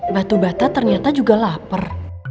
batu bata ternyata juga lapar